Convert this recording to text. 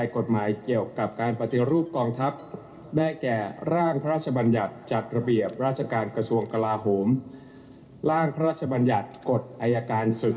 กฎอัยการศึก